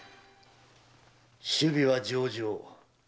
首尾は上々。